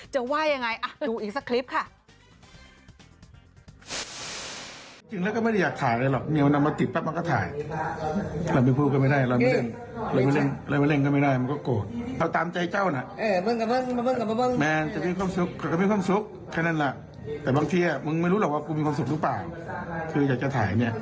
ว่ายังไงดูอีกสักคลิปค่ะ